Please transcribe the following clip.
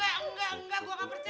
engga engga engga gua gak percaya